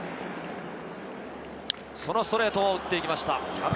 そのストレートを打っていきました。